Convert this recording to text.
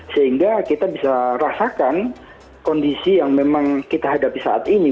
sehingga kita bisa rasakan kondisi yang memang kita hadapi saat ini